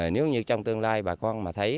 nếu như trong tương lai bà con mà thấy